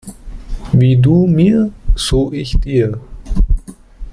Wie du mir, so ich dir.